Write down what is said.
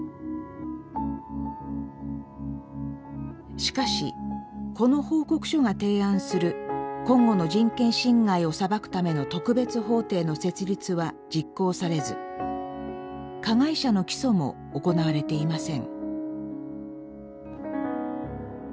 しかしこの報告書が提案するコンゴの人権侵害を裁くための特別法廷の設立は実行されず加害者の起訴も行われていません。